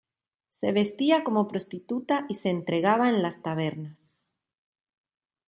Se vestía como prostituta y se entregaba en las tabernas.